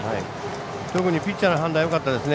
特にピッチャーの判断よかったですね。